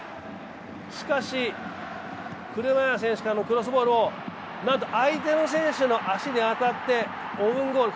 しかし、紅林選手からのクロスボールをなんと相手の選手の足に当たってオウンゴール。